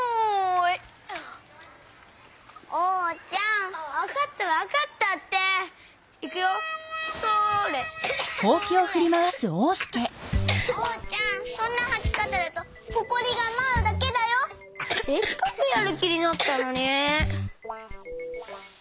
せっかくやるきになったのに。